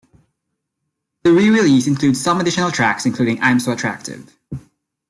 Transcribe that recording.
The re-release includes some additional tracks including "I'm So Attractive".